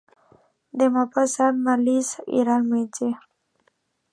Demà passat na Lis irà al metge.